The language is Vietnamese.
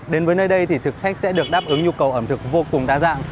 đến với nơi đây thì thực khách sẽ được đáp ứng nhu cầu ẩm thực vô cùng đa dạng